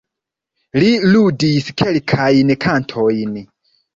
Li ludis kelkajn kantojn.